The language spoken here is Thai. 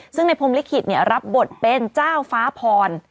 ซึ่งในพรมลิขิตรับบทเป็นเจ้าฟ้าพร